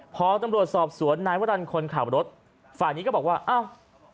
พอตำรวจสอบสวนนายวรรณคนขับรถฝ่ายนี้ก็บอกว่าอ้าว